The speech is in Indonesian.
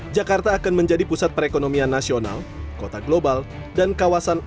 jakarta akan menjadi pusat perekonomian nasional kota global dan kawasan ekonomi